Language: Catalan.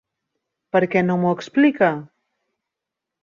Per què no m'ho explica?